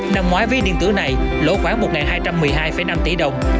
năm ngoái ví điện tử này lỗ khoảng một hai trăm một mươi hai năm tỷ đồng